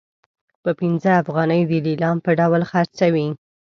په پنځه افغانۍ د لیلام په ډول خرڅوي.